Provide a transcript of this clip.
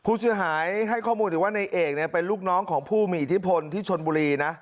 ผู้เสียหายให้ข้อมูลอีกว่าในเอกเนี่ยเป็นลูกน้องของผู้มีอิทธิพลที่ชนบุรีนะ